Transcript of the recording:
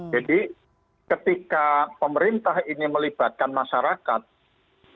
jadi ketika pemerintah ini melibatkan masyarakat